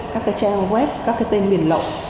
các trang web các tên miền lộng